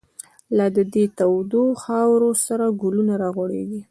لا د دی تودو خاورو، سره گلونه را غوړیږی